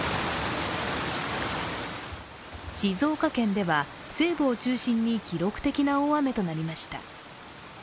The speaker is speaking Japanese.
静岡県では、西部を中心に記録的な大雨となりました。